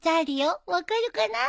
分かるかな？